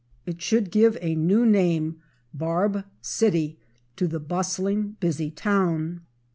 It should give a new name, "Barb City," to the bustling, busy town.